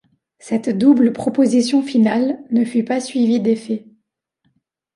Cette double proposition finale ne fut pas suivie d’effet.